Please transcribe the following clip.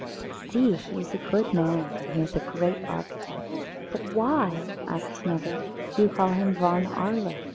But see, he is a good man, and he is a great architect." "But why," asked another, "do you call him Von Arler?